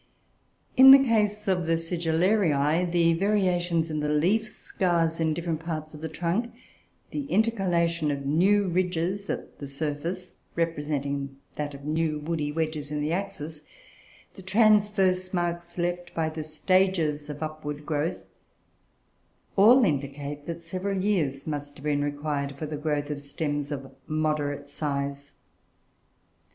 In the case of the Sigillarioe, the variations in the leaf scars in different parts of the trunk, the intercalation of new ridges at the surface representing that of new woody wedges in the axis, the transverse marks left by the stages of upward growth, all indicate that several years must have been required for the growth of stems of moderate size.